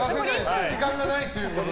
時間がないということで。